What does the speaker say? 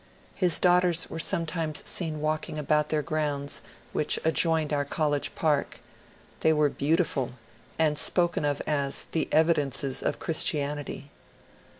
His daughters were sometimes seen walking about their grounds, which adjoined our college park; they were beautiful, and spoken of as " The Evidences of Christianity."